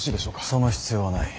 その必要はない。